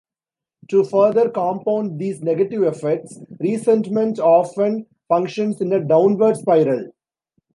To further compound these negative effects, resentment often functions in a downward spiral.